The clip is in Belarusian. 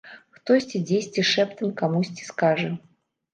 Хтосьці дзесьці шэптам камусьці скажа.